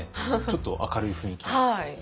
ちょっと明るい雰囲気に。